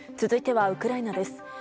続いては、ウクライナです。